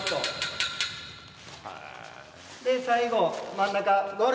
で最後真ん中。